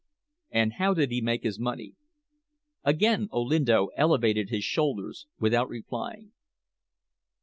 "And how did he make his money?" Again Olinto elevated his shoulders, without replying.